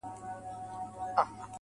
ستا خو صرف خندا غواړم چي تا غواړم~